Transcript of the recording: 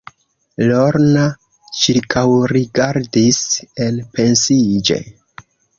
Lorna ĉirkaŭrigardis enpensiĝe.